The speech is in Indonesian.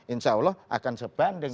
insya allah akan sebanding